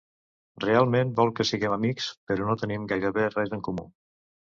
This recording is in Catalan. Realment, vol que siguem amics, però no tenim gairebé res en comú!